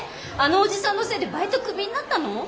あのおじさんのせいでバイトクビになったの？